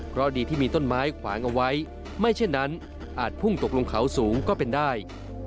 เพราะดีที่มีต้นไม้ขวางเอาไว้ไม่เช่นนั้นอาจพุ่งตกลงเขาสูงก็เป็นได้